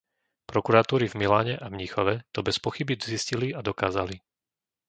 Prokuratúry v Miláne a Mníchove to bez pochyby zistili a dokázali.